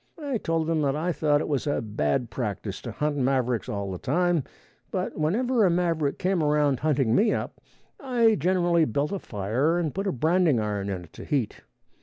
I told them that I thought it was a bad practice to hunt mavericks all the time, but whenever a maverick came around hunting me up, I generally built a fire and put a branding iron in to heat.